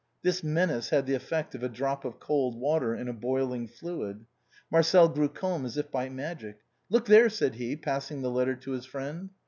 This menace had the effect of a drop of cold water in a boiling fluid. Marcel grew calm as if by magic. " Look there !" said he, passing the letter to his friend.